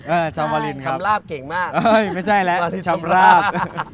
ชาวมารินครับชำราบเก่งมากเอ้ยไม่ใช่แล้วที่ชำราบ